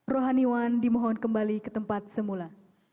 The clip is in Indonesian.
rohaniwan dimohon kembali ke tempat semula